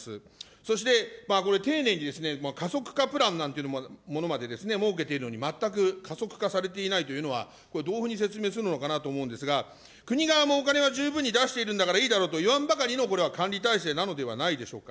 そして、これ、丁寧に加速化プランなんていうものまで設けているのに、全く加速化されていないというのは、これ、どういうふうに説明するのかなと思うんですが、国側もお金は十分に出しているのだからいいだろうと言わんばかりのこれは管理体制なのではないでしょうか。